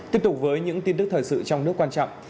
tiếp tục với những tin tức thời sự trong nước quan trọng